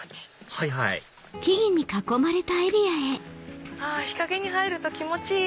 はいはいあ日陰に入ると気持ちいい！